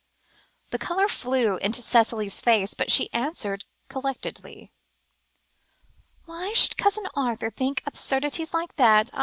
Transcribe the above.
The colour flew into Cicely's face, but she answered collectedly "Why should Cousin Arthur think absurdities of that kind?